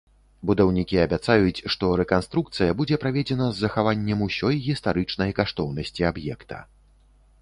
Будаўнікі абяцаюць, што рэканструкцыя будзе праведзена з захаваннем ўсёй гістарычнай каштоўнасці аб'екта.